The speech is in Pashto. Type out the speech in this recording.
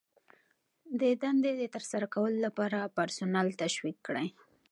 د دندې د ترسره کولو لپاره پرسونل تشویق کړئ.